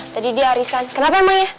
tadi dia arisan kenapa emang ya